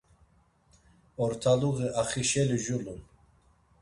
Ortaluği axişeli culun.